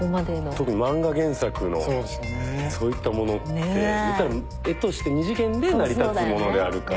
特に漫画原作のそういったものっていったら絵として２次元で成り立つものであるから。